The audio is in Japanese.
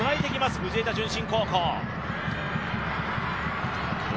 藤枝順心高校。